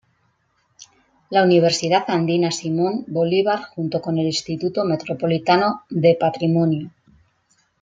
La Universidad Andina Simón Bolívar junto con el Instituto Metropolitano de Patrimonio.